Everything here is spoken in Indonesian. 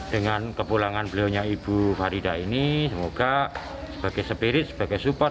dengan kepulangan beliaunya ibu farida ini semoga sebagai spirit sebagai support